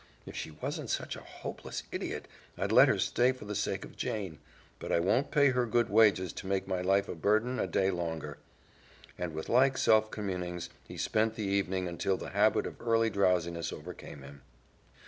"If she wasn't such a hopeless idiot I'd let her stay for the sake of Jane, but I won't pay her good wages to make my life a burden a day longer," and with like self communings he spent the evening until the habit of early drowsiness overcame him.